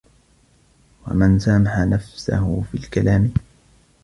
وَمَنْ سَامَحَ نَفْسَهُ فِي الْكَلَامِ